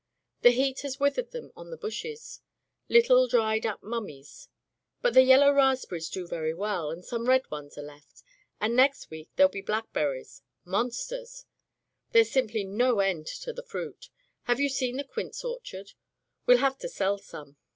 The heat has withered them on the bushes — ^little dried up mununies. But the yellow raspberries do very well, and some red ones are left, and next week there'll be blackberries — ^monsters! There's simply no end to the fruit. Have you seen the quince orchard ? We'll have to sell some.